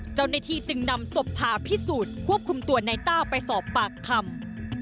เจ้าหน้าที่จึงนำศพทาพิสูจน์ควบคุมตัวในต้าไปสอบปากคำ